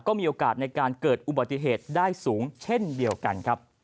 ก็มีโอกาสในการเกิดอุบัติเหตุได้สูงเช่นเดียวกันครับ